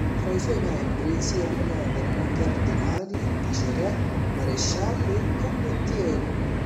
Fra i suoi membri si annoverano cardinali, viceré, marescialli e condottieri.